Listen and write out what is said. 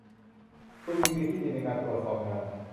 คุณมีดีลที่ดีในการตรวจสอบงาน